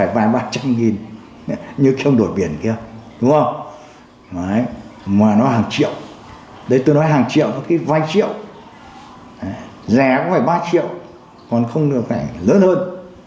mà nó hàng triệu đây tôi nói hàng triệu có cái vài triệu rẻ cũng phải ba triệu còn không được phải lớn hơn